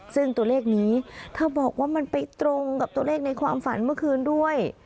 ซึ่งตัวเลขนี้เธอบอกว่ามันไปตรงกับตัวเลขในความฝันเมื่อคืนด้วย